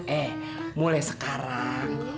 eh mulai sekarang